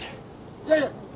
いやいや。